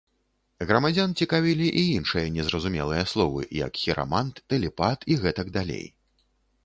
Грамадзян цікавілі і іншыя незразумелыя словы, як хірамант, тэлепат і гэтак далей.